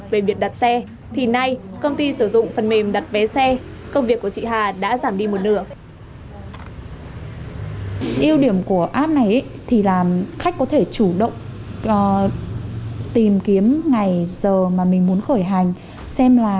về việc đặt xe thì nay công ty sử dụng phần mềm đặt vé xe công việc của chị hà đã giảm đi một nửa